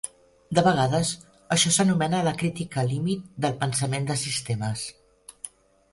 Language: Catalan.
De vegades això s'anomena la crítica límit del pensament de sistemes.